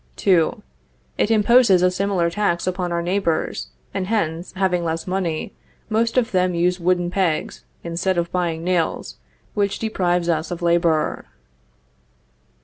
|| 2. It imposes a similar tax upon our neighbors, and | hence, having less money, most of them use wooden | pegs, instead of buying nails, which deprives us of | labor.